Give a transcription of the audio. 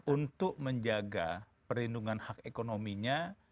untuk menjaga perlindungan hak ekonominya